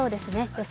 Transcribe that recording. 予想